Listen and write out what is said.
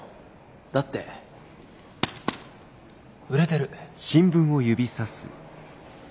だって売れてる。